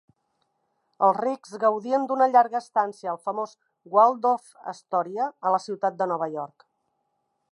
Els rics gaudien d"una llarga estància al famós Waldorf-Astoria a la ciutat de Nova York.